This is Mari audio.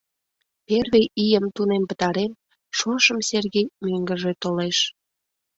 Первый ийым тунем пытарен, шошым Сергей мӧҥгыжӧ толеш.